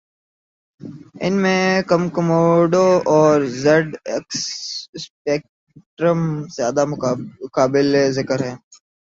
ان میں کمکموڈو اور زیڈ ایکس اسپیکٹرم زیادہ قابل ذکر ہیں